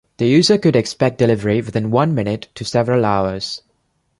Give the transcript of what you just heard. The user could expect delivery within one minute to several hours.